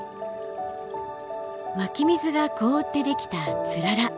湧き水が凍ってできた氷柱。